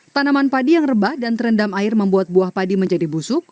tanaman padi yang rebah dan terendam air membuat buah padi menjadi busuk